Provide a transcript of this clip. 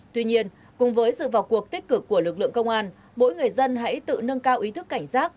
tuy nhiên cùng với sự vào cuộc tích cực của lực lượng công an mỗi người dân hãy tự nâng cao ý thức cảnh giác